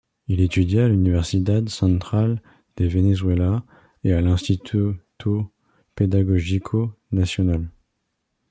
Il étudia à l'Universidad Central de Venezuela et à l'Instituto Pedagógico Nacional.